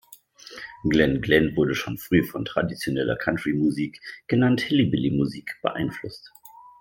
Glen Glenn wurde schon früh von traditioneller Country-Musik, genannt Hillbilly-Musik, beeinflusst.